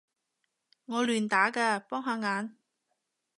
我亂打嘅，幫下眼